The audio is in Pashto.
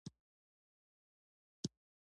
چې افغانستان په خپلو پښو ودریږي.